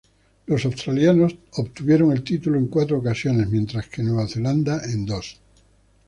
Los australianos obtuvieron el título en cuatro ocasiones, mientras que Nueva Zelanda en dos.